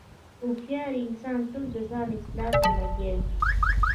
هوښیار انسان تل د ځان اصلاح ته لګیا وي.